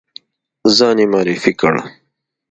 ځان یې معرفي کړ.